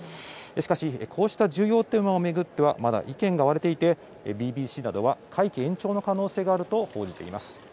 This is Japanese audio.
しかし、こうした重要テーマを巡ってはまだ意見が割れていてＢＢＣなどは会期延長の可能性があると報じています。